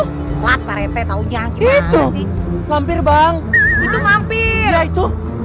hai buat parete taunya gitu mampir bang mampir itu